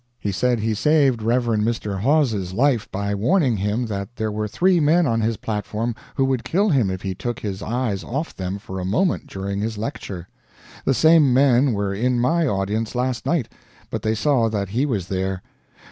He said he saved Rev. Mr. Haweis's life by warning him that there were three men on his platform who would kill him if he took his eyes off them for a moment during his lecture. The same men were in my audience last night, but they saw that he was there.